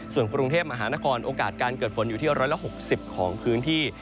ส่วนกรุงเทพมหานครโอกาสการเกิดฝนอยู่ที่๑๖๐ของพื้นที่